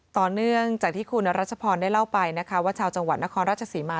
ต่อเนื่องจากที่คุณรัชพรได้เล่าไปนะคะว่าชาวจังหวัดนครราชศรีมา